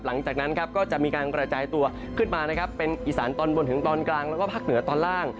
หลังจากนั้นครับก็จะมีการกระจายตัวขึ้นมานะครับเป็นอีสานตอนบนถึงตอนกลางแล้วก็ภาคเหนือตอนล่าง